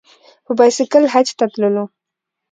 په بایسکل حج ته تللو.